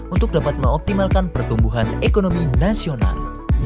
untuk dapat mengoptimalkan pertumbuhan ekonomi nasional